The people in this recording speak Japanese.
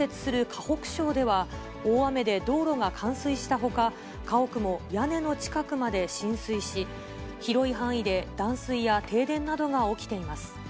一方、北京に隣接する河北省では、大雨で道路が冠水したほか、家屋も屋根の近くまで浸水し、広い範囲で断水や停電などが起きています。